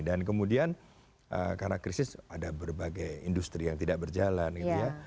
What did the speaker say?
dan kemudian karena krisis ada berbagai industri yang tidak berjalan gitu ya